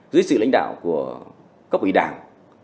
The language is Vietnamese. dưới sự lãnh đạo của cấp ủy đảng